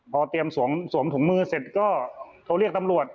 พอเตรียมสวมถุงมือเสร็จก็โทรเรียกตำรวจ